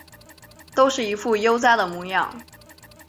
都是一副悠哉的模样